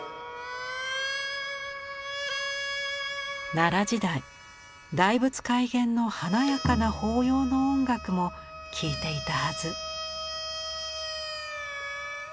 奈良時代大仏開眼の華やかな法要の音楽も聴いていたはず。